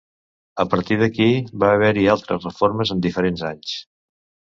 A partir d'aquí va haver-hi altres reformes en diferents anys.